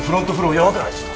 弱くないですか？